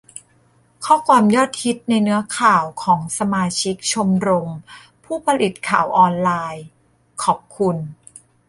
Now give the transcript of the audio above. ข้อความยอดฮิตในเนื้อข่าวของสมาชิกชมรมผู้ผลิตข่าวออนไลน์ :'ขอบคุณ